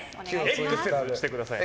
エックセズしてくださいね。